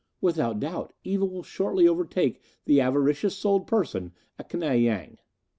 "Without doubt evil will shortly overtake the avaricious souled person at Knei Yang."